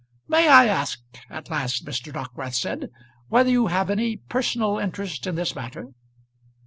"May I ask," at last Mr. Dockwrath said, "whether you have any personal interest in this matter?"